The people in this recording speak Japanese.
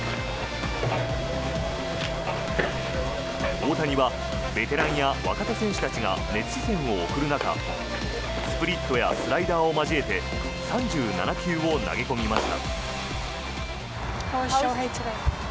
大谷はベテランや若手選手たちが熱視線を送る中スプリットやスライダーを交えて３７球を投げ込みました。